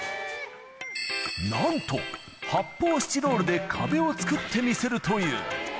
なんと、発泡スチロールで壁を作ってみせるという。